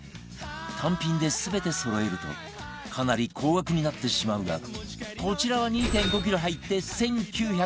単品で全てそろえるとかなり高額になってしまうがこちらは ２．５ キロ入って１９６８円